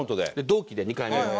同期で２回目の。